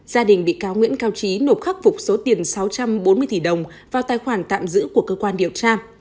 gia đình bị cáo nguyễn cao trí nộp khắc phục số tiền sáu trăm bốn mươi tỷ đồng vào tài khoản tạm giữ của cơ quan điều tra